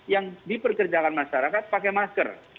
yang diperkerjakan masyarakat pakai masker